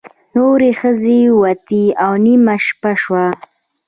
نورې ښځې ووتې او نیمه شپه شوه.